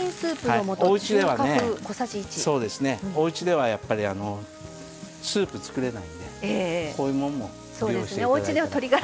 おうちではやっぱりスープ作れないんでこういうもんも利用して頂いたら。